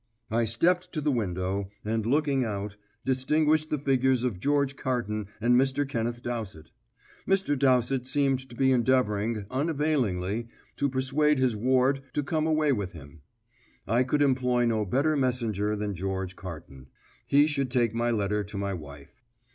I stepped to the window, and, looking out, distinguished the figures of George Carton and Mr. Kenneth Dowsett, Mr. Dowsett seemed to be endeavouring, unavailingly, to persuade his ward to come away with him. I could employ no better messenger than George Carton; he should take my letter to my wife.